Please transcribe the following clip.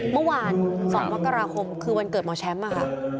เมื่อวานสองวันกราคมคือวันเกิดหมอแชมป์นะคะ